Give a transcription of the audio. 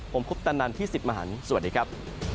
ผมครบตันนันที่ศิริมหานศ์สวัสดีครับ